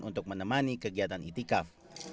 untuk menemani kegiatan itikaf